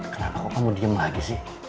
kenapa kok kamu mau diem lagi sih